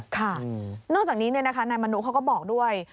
ค่ะนอกจากนี้เนี่ยนะคะนายมนุษย์เขาก็บอกด้วย